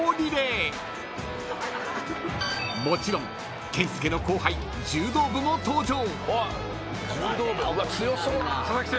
［もちろん健介の後輩柔道部も登場］